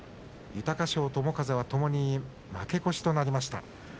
豊翔と友風はともに負け越しとなりました。